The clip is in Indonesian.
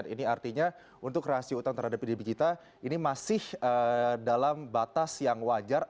ini artinya untuk rasio utang terhadap pdb kita ini masih dalam batas yang wajar